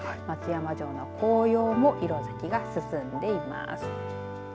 松山城の紅葉も色づきが進んでいます。